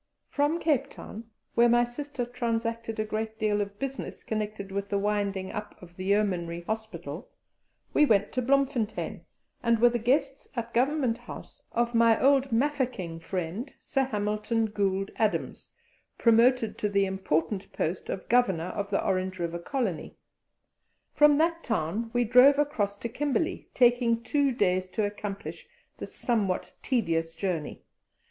From Cape Town, where my sister transacted a great deal of business connected with the winding up of the Yeomanry Hospital, we went to Bloemfontein, and were the guests at Government House of my old Mafeking friend, Sir Hamilton Gould Adams, promoted to the important post of Governor of the Orange River Colony. From that town we drove across to Kimberley, taking two days to accomplish this somewhat tedious journey.